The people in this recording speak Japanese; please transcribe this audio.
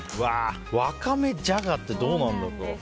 ワカメジャガってどうなんだろう。